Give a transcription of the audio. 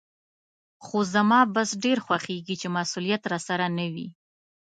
خو زما بس ډېر خوښېږي چې مسولیت راسره نه وي.